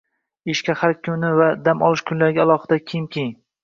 Ishga har kunlik va dam olish joylariga alohida kiyim kiying.